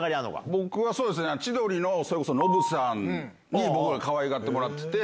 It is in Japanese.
僕は千鳥のそれこそノブさんに僕ら、かわいがってもらってて。